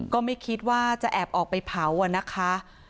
ก็ไม่คิดว่าจะแอบออกไปเผาอะนะคะ